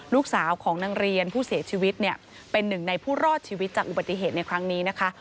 ลูกสาวของนางเรียนผู้เสียชีวิตเนี่ยเป็นหนึ่งในผู้รอดชีวิตจากอุบัติเหตุในครั้งนี้นะคะ